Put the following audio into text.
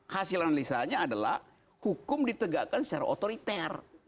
hasil analisanya adalah hukum ditegakkan secara otoriter